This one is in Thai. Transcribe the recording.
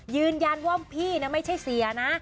ยืนยันว่าพี่ไม่ใช่เสียนะ